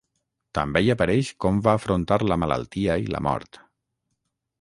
També hi apareix com va afrontar la malaltia i la mort.